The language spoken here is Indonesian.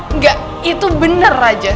enggak itu bener raja